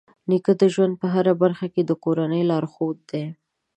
نیکه د ژوند په هره برخه کې د کورنۍ لارښود دی.